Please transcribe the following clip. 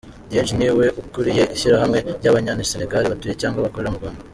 Dieng ni we ukuriye Ishyirahamwe ry’Abanya-Sénégal batuye cyangwa bakorera mu Rwanda.